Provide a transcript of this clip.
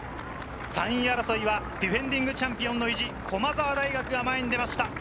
３位争いはディフェンディングチャンピオンの意地、駒澤大学が前に出ました。